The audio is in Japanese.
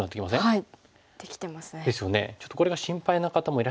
はい。